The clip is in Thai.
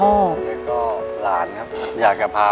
อ้าวหลานครับอยากจะพาค่ะ